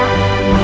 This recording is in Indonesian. latihan tadi ya